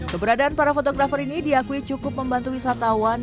keberadaan para fotografer ini diakui cukup membantu wisatawan